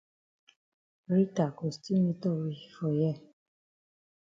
Rita go still meetup we for here.